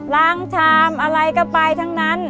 ชามอะไรก็ไปทั้งนั้น